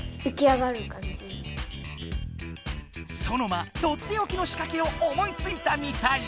ソノマとっておきのしかけを思いついたみたい！